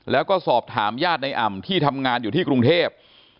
แล้วก็สอบถามญาติในอ่ำที่ทำงานอยู่ที่กรุงเทพ